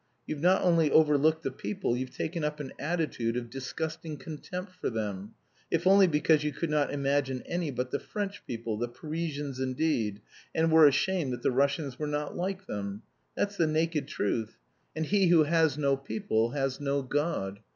You've not only overlooked the people, you've taken up an attitude of disgusting contempt for them, if only because you could not imagine any but the French people, the Parisians indeed, and were ashamed that the Russians were not like them. That's the naked truth. And he who has no people has no God.